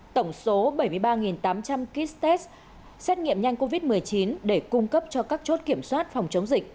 tổng số bảy mươi ba tám trăm linh kit test xét nghiệm nhanh covid một mươi chín để cung cấp cho các chốt kiểm soát phòng chống dịch